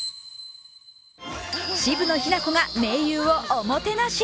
渋野日向子が盟友をおもてなし。